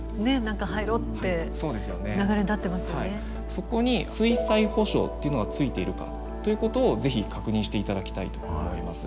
そこに水災補償っていうのがついているかということを是非確認していただきたいと思います。